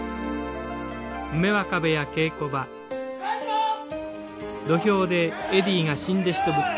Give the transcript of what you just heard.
お願いします！